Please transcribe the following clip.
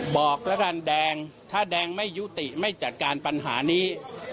บอกแล้วกันแดงถ้าแดงไม่ยุติไม่จัดการปัญหานี้